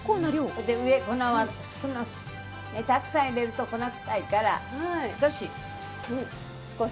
上、粉は少なく、たくさん入れると粉臭いから少し。